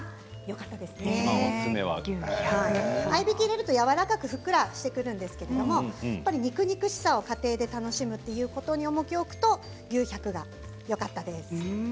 合いびきを入れるとやわらかくふっくらしてくるんですけれども、肉々しさを家庭で楽しむということに重きを置くと牛１００がよかったです。